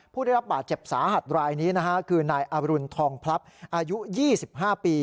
ผู้ได้รับบาดเจ็บสาหัสรายนี้นะฮะคือนายอรุณทองพลับอายุ๒๕ปี